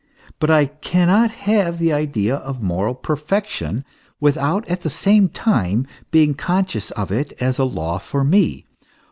But I cannot have the idea of moral perfection without at the same time being con scious of it as a law for me.